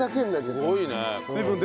すごいね。